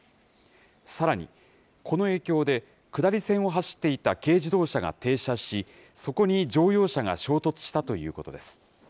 さらに、この影響で下り線を走っていた軽自動車が停車し、そこに乗用車が衝突したということです。